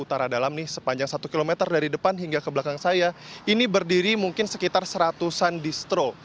utara dalam nih sepanjang satu km dari depan hingga ke belakang saya ini berdiri mungkin sekitar seratusan distro